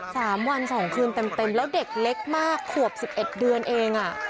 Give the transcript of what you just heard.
สามวันสองคืนเต็มเต็มแล้วเด็กเล็กมากขวบสิบเอ็ดเดือนเองอ่ะ